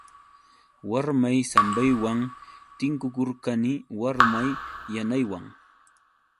Warmay sambaywan tinkukurqani warmay yanaywan.